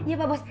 iya pak bos